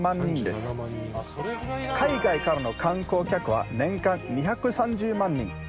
海外からの観光客は年間２３０万人。